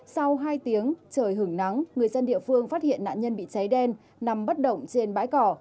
sau hai tiếng trời hừng nắng người dân địa phương phát hiện nạn nhân bị cháy đen nằm bất động trên bãi cỏ